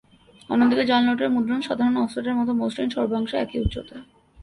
অন্যদিকে জাল নোটের মুদ্রণ সাধারণ অফসেটের মতো মসৃণ, সর্বাংশে একই উচ্চতার।